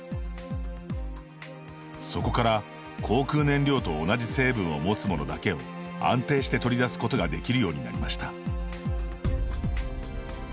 そこから、航空燃料と同じ成分を持つものだけを安定して取り出すことができるようになりました。